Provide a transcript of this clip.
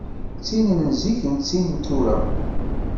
D tin n zik, d tin n tura.